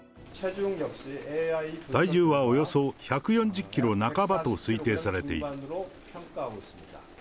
体重はおよそ１４０キロ半ばと推定されている。